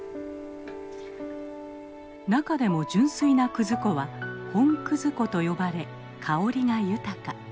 中でも純粋な葛粉は本葛粉と呼ばれ香りが豊か。